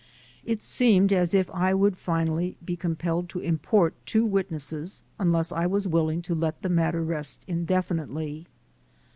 It seemed as if I would finally be compelled to import two witnesses unless I was willing to let the matter rest indefinitely.